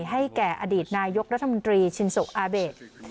ให้แก่อดีตนายกรัฐมนตรีชินโซอาเบส